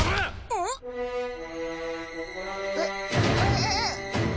えっえっ？